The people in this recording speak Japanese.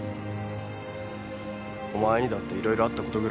お前にだって色々あったことぐらい。